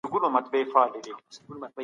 حق باید په هر حال کي واخیستل سي.